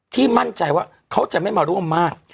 มั่นใจว่าเขาจะไม่มาร่วมมาก